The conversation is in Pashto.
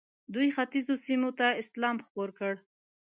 دوی ختیځو سیمو ته اسلام خپور کړ.